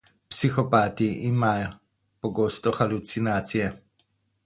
Psihopati ima pogosto halucinacije.